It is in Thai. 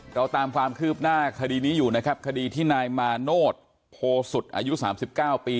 เราตามความคืบหน้าคดีนี้อยู่นะครับคดีที่นายมาโนธโพสุดอายุ๓๙ปี